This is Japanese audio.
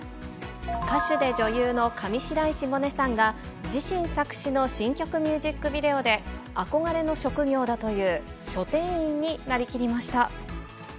歌手で女優の上白石萌音さんが、自身作詞の新曲ミュージックビデオで、憧れの職業だという書店員になりきりました。